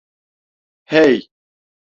Heey!